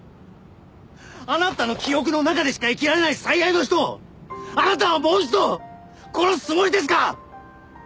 あなたの記憶の中でしか生きられない最愛の人をあなたはもう一度殺すつもりですか！？